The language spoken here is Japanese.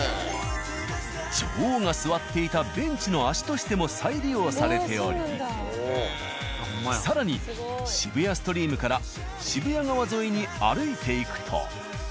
女王が座っていたベンチの脚としても再利用されており更に渋谷ストリームから渋谷川沿いに歩いていくと。